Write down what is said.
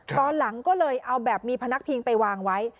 ตอนหลังก็เลยเอาแบบมีพนักพิงไปวางไว้